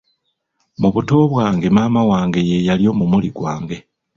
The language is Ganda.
Mu buto bwange, maama wange ye yali omumuli gwange.